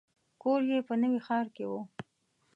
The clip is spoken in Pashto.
کور یې په نوي ښار کې و.